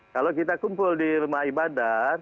kalau kita kumpul di rumah ibadah